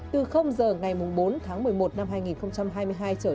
từ giờ ngày bốn tháng một mươi một năm hai nghìn hai mươi hai trở